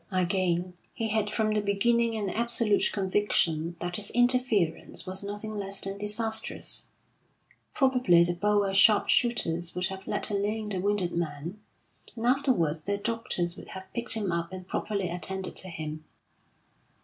Again, he had from the beginning an absolute conviction that his interference was nothing less than disastrous. Probably the Boer sharpshooters would have let alone the wounded man, and afterwards their doctors would have picked him up and properly attended to him.